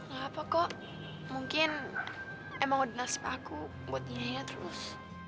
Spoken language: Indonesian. nggak apa kok mungkin emak udah nasib aku buat nyanyinya terus